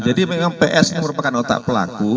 jadi memang ps merupakan otak pelaku